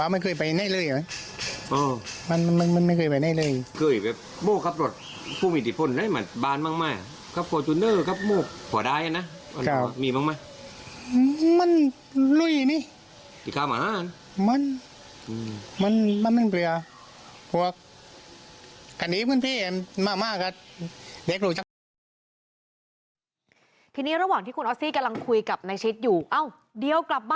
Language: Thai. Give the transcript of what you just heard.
มันมันมันเปรียร์